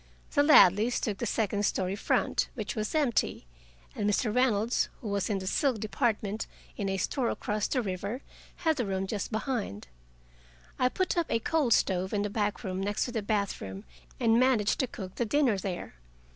The Ladleys took the second story front, which was empty, and Mr. Reynolds, who was in the silk department in a store across the river, had the room just behind. I put up a coal stove in a back room next the bathroom, and managed to cook the dinner there.